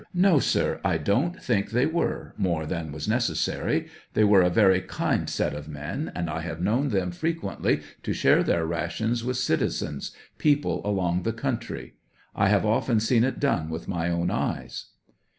No, sir; I don't think they were more than was necessary; they were a very kind set of men, and I have known them frequently to share their rations with citizens, people along the country; I have often seen it done with my own eyes.